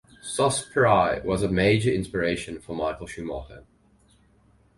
Sospiri was a major inspiration for Michael Schumacher.